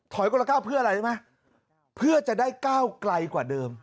ถอยคนละก้าวเพื่ออะไรเห็นมั้ยเพื่อจะได้ก้าวกลายกว่าเดิม